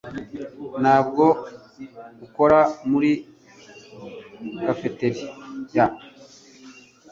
Ntabwo ukora muri cafeteria?